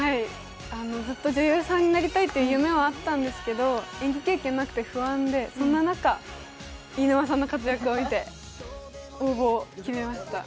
ずっと女優さんになりたいという夢はあったんですけど演技経験なくて不安で、そんな中飯沼さんの活躍を見て応募を決めました。